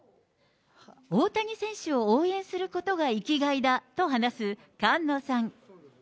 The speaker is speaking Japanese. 大谷選手を応援することが生きがいだと話す菅野さん。